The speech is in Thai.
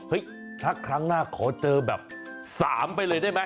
ถ้าครั้งหน้าขอเจอแบบ๓ไปเลยได้ไหม